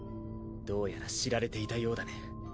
どうやら知られていたようだね。